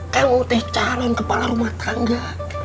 kayak mutih calon kepala rumah tangga